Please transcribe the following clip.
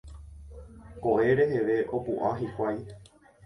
Ko'ẽ reheve opu'ã hikuái.